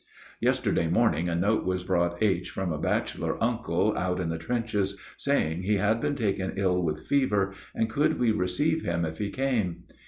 Yesterday morning a note was brought H. from a bachelor uncle out in the trenches, saying he had been taken ill with fever, and could we receive him if he came?